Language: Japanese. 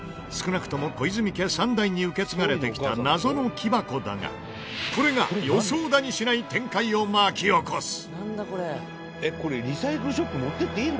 少なくとも小泉家３代に受け継がれてきた謎の木箱だがこれが予想だにしない展開を巻き起こす！